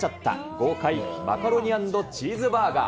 豪快、マカロニ＆チーズバーガー。